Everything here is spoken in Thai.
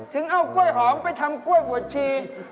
ถึงเอากล้วยหอมไปทำกล้วยหัวชี